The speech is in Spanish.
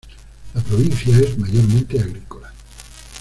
La provincia es mayormente agrícola.